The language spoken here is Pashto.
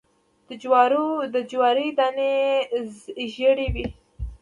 د جوارو دانی ژیړې وي